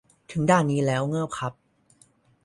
ถึงด่านนี้แล้วเงิบครับ